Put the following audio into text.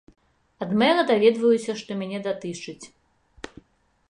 Ад мэра даведваюся, што мяне датычыць.